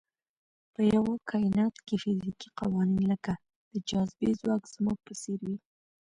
په یوه کاینات کې فزیکي قوانین لکه د جاذبې ځواک زموږ په څېر وي.